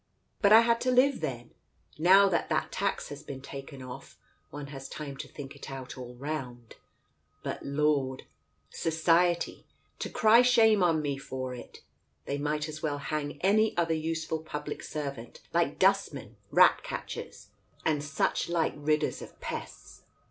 But I had to live, then ! Now that that tax has been taken off, one has time to think it out all round. But Lord !— Society, to cry shame on me for it I They might as well hang any other useful public servant, like dustmen, rat catchers, and such like ridders of pests.